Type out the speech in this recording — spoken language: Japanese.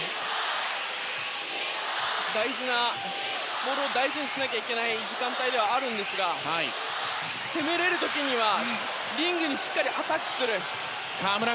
ボールを大事にしなきゃいけない時間帯ではあるんですが攻められる時にはリングにしっかりアタックする。